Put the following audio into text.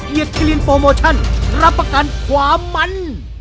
กิลินโปรโมชั่นรับประกันความมัน